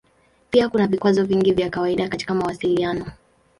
Pia kuna vikwazo vingi vya kawaida katika mawasiliano.